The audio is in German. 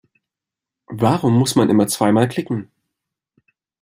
Warum muss man immer zweimal klicken?